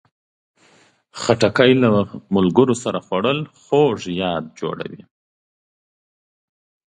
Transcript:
خټکی له ملګرو سره خوړل خوږ یاد جوړوي.